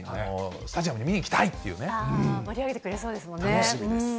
スタジアムに見に行きたいっ盛り上げてくれそうですもん楽しみです。